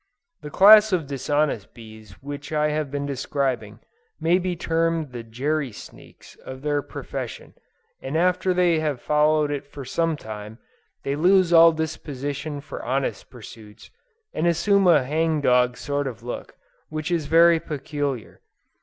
The class of dishonest bees which I have been describing, may be termed the "Jerry Sneaks" of their profession, and after they have followed it for some time, they lose all disposition for honest pursuits, and assume a hang dog sort of look, which is very peculiar.